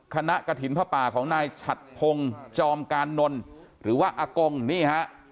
คณะกระถินพระป่าของนายฉัดพงษ์จอมกานนนหรือว่าอากงนี่